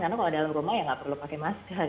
karena kalau dalam rumah ya nggak perlu pakai masker